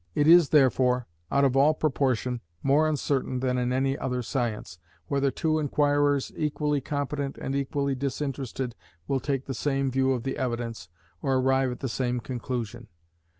It is therefore, out of all proportion, more uncertain than in any other science, whether two inquirers equally competent and equally disinterested will take the same view of the evidence, or arrive at the same conclusion.